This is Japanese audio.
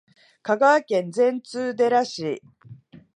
香川県善通寺市